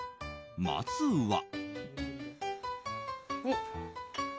まずは。